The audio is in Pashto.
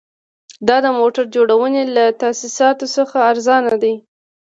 دا د موټر جوړونې له تاسیساتو څخه ارزانه دي